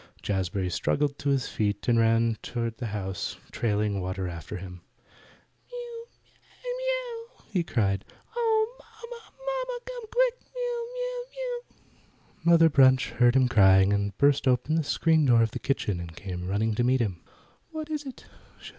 Jazbury struggled to his feet, and ran toward the house, trailing water after him. "Mew, miew!" he cried. "Oh, Momma! Momma! Come quick! Miew! Miew! Miew!" Mother Bunch heard him crying, and burst open the screen door of the kitchen and came running to meet him. "What is it?